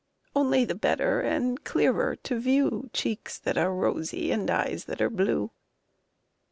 Only the better and clearer to view Cheeks that are rosy and eyes that are blue.